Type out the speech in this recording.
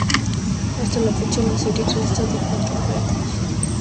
Hasta la fecha, la serie consta de cuatro juegos.